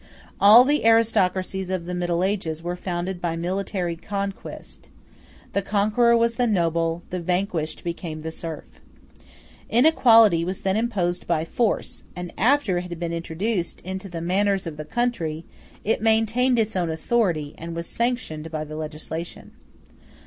All the aristocracies of the Middle Ages were founded by military conquest; the conqueror was the noble, the vanquished became the serf. Inequality was then imposed by force; and after it had been introduced into the manners of the country it maintained its own authority, and was sanctioned by the legislation.